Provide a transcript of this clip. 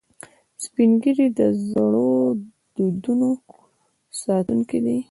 سپین ږیری د زړو دودونو ساتونکي دي